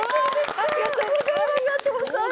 ありがとうございます！